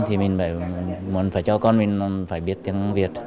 thì mình muốn phải cho con mình phải biết tiếng việt